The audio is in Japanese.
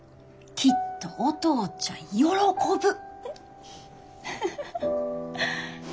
きっとお父ちゃん喜ぶ。